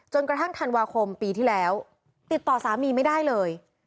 กระทั่งธันวาคมปีที่แล้วติดต่อสามีไม่ได้เลย